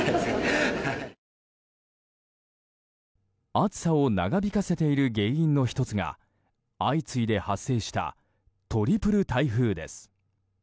暑さを長引かせている原因の１つが相次いで発生したトリプル台風です。